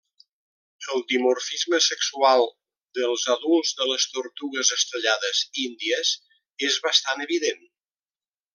El dimorfisme sexual dels adults de les tortugues estrellades índies és bastant evident.